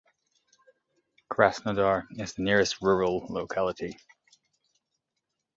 Krasnodar is the nearest rural locality.